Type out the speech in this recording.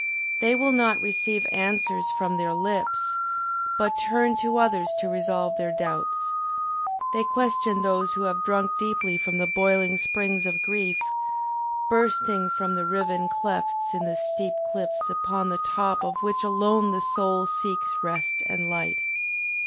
They will not receive answers from their lips, but turn to others to resolve their doubts; they question those who have drunk deeply from the boiling springs of grief, bursting from the riven clefts in the steep cliffs upon the top of which alone the soul seeks rest and light.